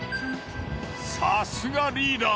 さすがリーダー。